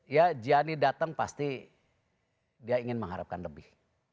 ya giani datang pasti dia ingin mengharapkan lebih